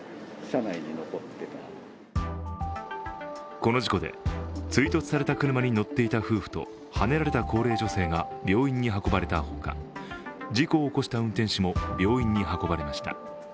この事故で、追突された車に乗っていた夫婦とはねられた高齢女性が病院に運ばれたほか事故を起こした運転手も病院に運ばれました。